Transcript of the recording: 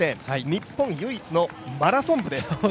日本唯一のマラソン部です。